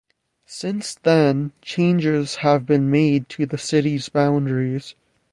Since then, changes have been made to the city's boundaries.